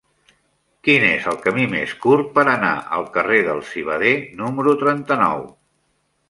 Quin és el camí més curt per anar al carrer del Civader número trenta-nou?